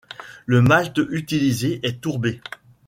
Le malt utilisé est tourbé.